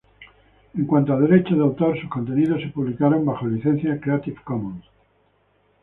En cuanto a derechos de autor, sus contenidos se publicaron bajo licencia creative commons.